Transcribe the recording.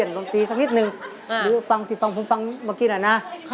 ร้อนตีสักนิดหนึ่งหรือฟังที่ฟังคุณฟังเมื่อกี้หน่อยนะ